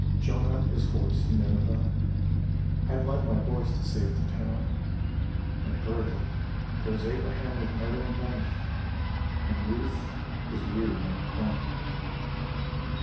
Jonah is hoarse in Nineveh — I'd lend My voice to save the town — and hurriedly Goes Abraham with murdering knife, and Ruth Is weary in the corn.